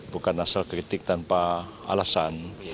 bukan asal kritik tanpa alasan